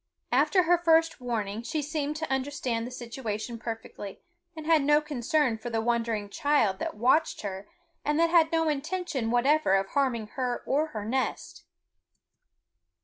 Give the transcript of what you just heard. After her first warning she seemed to understand the situation perfectly, and had no concern for the wondering child that watched her and that had no intention whatever of harming her or her nest.